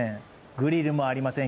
グリルもありません。